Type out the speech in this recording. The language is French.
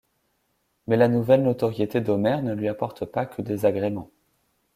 Mais la nouvelle notoriété d'Homer ne lui apporte pas que des agréments.